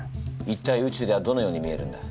一体うちゅうではどのように見えるんだ？